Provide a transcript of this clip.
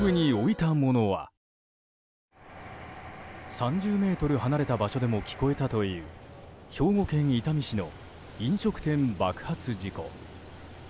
３０ｍ離れた場所でも聞こえたという兵庫県伊丹市の飲食店爆発事故。